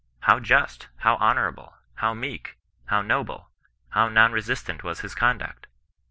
How just, ow honourable, how meek, how noble, how non resistant was his conduct